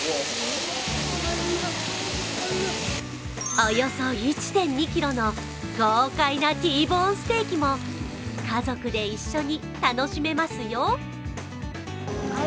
およそ１．２ｋｇの豪快なティーボーンステーキも家族で一緒に楽しめますよ。